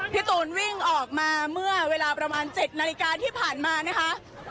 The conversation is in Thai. พี่ตูนวิ่งออกมาเมื่อเวลาประมาณ๗นาฬิกาที่ผ่านมานะคะ